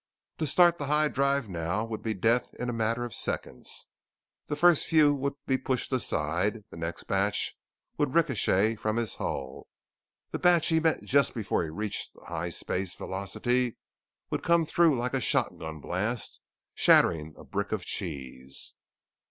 To start the high drive now would be death in a matter of seconds. The first few would be pushed aside, the next batch would ricochet from his hull. The batch he met just before he reached the high space velocity would come through like a shotgun blast shattering a brick of cheese.